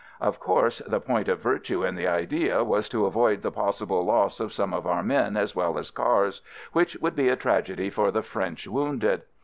Of course the point of virtue in the idea was to avoid the possible loss of some of our men as well as cars — which would be a tragedy for the French wounded.